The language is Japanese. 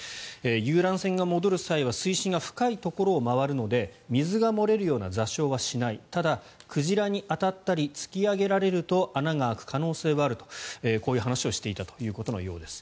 遊覧船が戻る際は水深が深いところを回るので水が漏れるような座礁はしないただ鯨に当たったり突き上げられると穴が開く可能性はあるとこういう話をしていたということのようです。